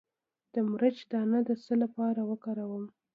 د مرچ دانه د څه لپاره وکاروم؟